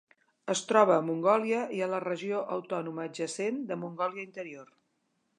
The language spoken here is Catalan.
Es troba a Mongòlia i a la regió autònoma adjacent de Mongòlia Interior.